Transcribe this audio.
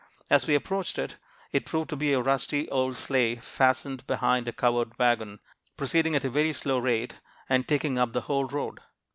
As we approached it, it proved to be a rusty old sleigh fastened behind a covered wagon, proceeding at a very slow rate, and taking up the whole road.